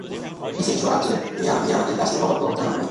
পিসি কিছু আশ্চর্য হইবেন, তিনি আমাকে দাসীর অভাব তো জানান নাই।